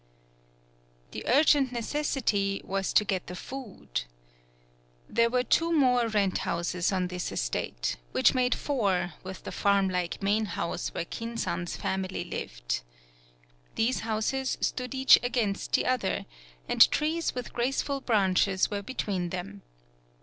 The urgent necessity was to get the 118 A DOMESTIC ANIMAL food. There were two more rent houses on this estate, which made four with the farm like main house where Kin san's family lived. These houses stood each against the other, and trees with grace ful branches were between them.